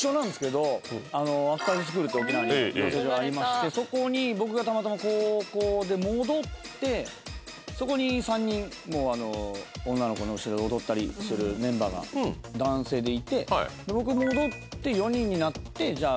アクターズスクールって沖縄に養成所がありましてそこに僕がたまたま高校で戻ってそこに３人もうあの女の子の後ろで踊ったりするメンバーが男性でいて僕戻って４人になってじゃあ